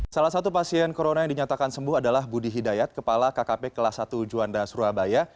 salah satu pasien corona yang dinyatakan sembuh adalah budi hidayat kepala kkp kelas satu juanda surabaya